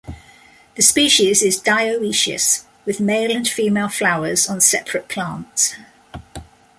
The species is dioecious, with male and female flowers on separate plants.